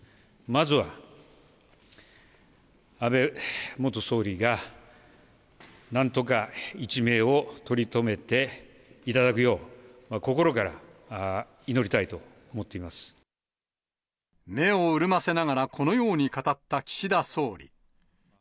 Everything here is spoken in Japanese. まずは、安倍元総理が、なんとか一命を取り留めていただくよう、心から祈りたいと思って目を潤ませながら、このように語った岸田総理。